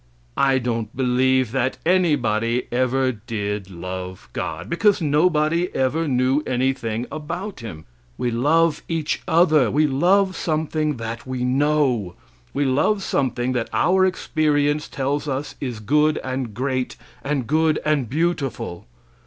I don't believe that anybody ever did love God, because nobody ever knew anything about Him. We love each other. We love something that we know. We love something that our experience tells us is good and great, and good and beautiful.